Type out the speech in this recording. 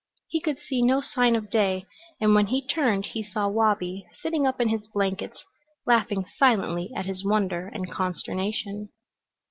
He could see no sign of day, and when he turned he saw Wabi sitting up in his blankets, laughing silently at his wonder and consternation.